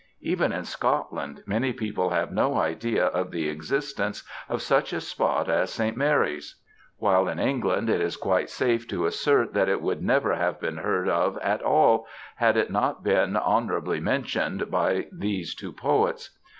Even in Scotland many people have no idea of the existence of such a spot as St. Mary^s ; while in England it is quite safe to assert that it would POETS AS LANDSCAPE PAINTERS 801 nerer ha^e been beard of at all bad it not been ^^ bonour ably mentioned ^^ by tbese two poets.